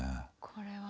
これは。